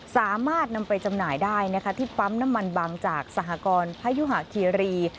สามารถนำไปจำหน่ายได้นะคะที่ปั๊มน้ำมันบางจากสหกรพยุหะคีรี